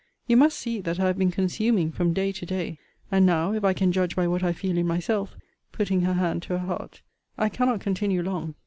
You must see that I have been consuming from day to day; and now, if I can judge by what I feel in myself, putting her hand to her heart, I cannot continue long.